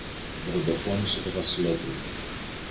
βροντοφώνησε το Βασιλόπουλο.